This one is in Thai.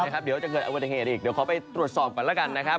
เดี๋ยวจะเกิดอุบัติเหตุอีกเดี๋ยวขอไปตรวจสอบก่อนแล้วกันนะครับ